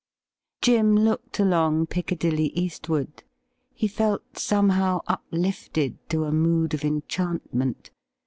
Jim looked along Piccadilly eastward. He felt somehow uplifted to a mood of enchantment.